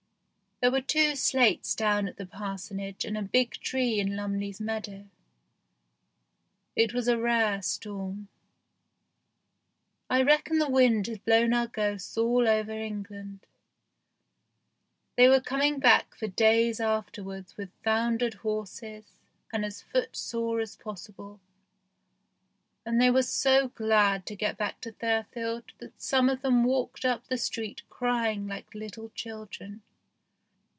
There were two slates down at the parsonage and a big tree in Lumley's meadow. It was a rare storm. I reckon the wind had blown our ghosts all over England. They were coming back for days afterwards with foundered horses and as footsore as possible, and they were so glad to get back to Fairfield that some of them walked up the street crying like little children.